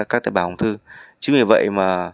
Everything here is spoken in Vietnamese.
chính vì vậy